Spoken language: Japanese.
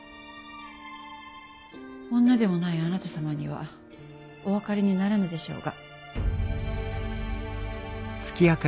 女でもないあなた様にはお分かりにならぬでしょうが。